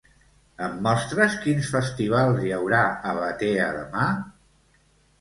Em mostres quins festivals hi haurà a Batea demà?